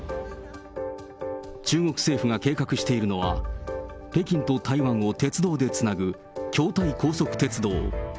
中国政府が計画しているのは、北京と台湾を鉄道でつなぐ京台高速鉄道。